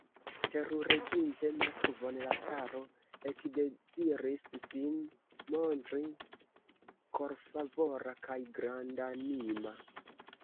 Terureginte Moskvon, la caro ekdeziris sin montri korfavora kaj grandanima.